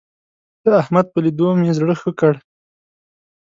د احمد په ليدو مې زړه ښه کړ.